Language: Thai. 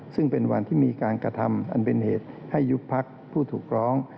ซึ่งเป็นวันที่มีการกระทำอันเป็นเหตุให้ยุบพักผู้ถูกร้อง